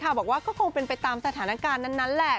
บอกว่าก็คงเป็นไปตามสถานการณ์นั้นแหละ